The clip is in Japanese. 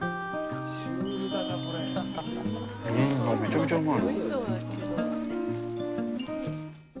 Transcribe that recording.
めちゃめちゃうまい。